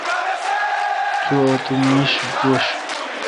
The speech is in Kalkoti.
چو اتو میش گوش۔